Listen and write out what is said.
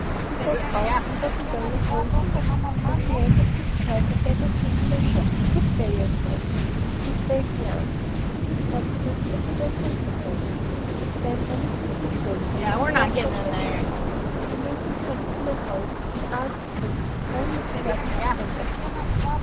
He set out, and was away a whole year. At the end of this time a beggar came to my shop. "Good day," I said. "Good day," he answered; "is it possible that you do not recognise me?" Then I looked at him closely and saw he was my brother. I made him come into my house, and asked him how he had fared in his enterprise.